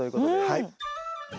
はい。